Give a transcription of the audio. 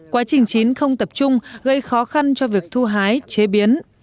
quá trình chín không tập trung gây khó khăn cho việc thu hái chế biến